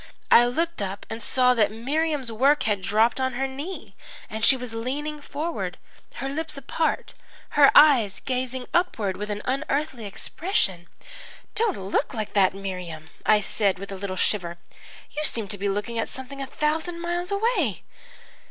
I looked up and saw that Miriam's work had dropped on her knee and she was leaning forward, her lips apart, her eyes gazing upward with an unearthly expression. "'Don't look like that, Miriam!' I said, with a little shiver. 'You seem to be looking at something a thousand miles away!'